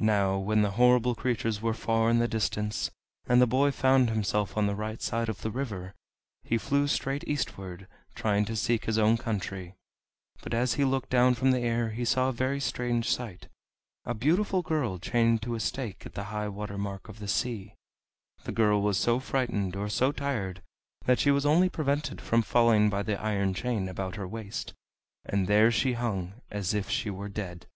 Now when the horrible creatures were far in the distance, and the boy found himself on the right side of the river, he flew straight eastward, trying to seek his own country. But as he looked down from the air he saw a very strange sight a beautiful girl chained to a stake at the high water mark of the sea. The girl was so frightened or so tired that she was only prevented from falling by the iron chain about her waist, and there she hung, as if she were dead.